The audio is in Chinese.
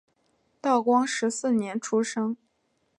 道光十四年出生。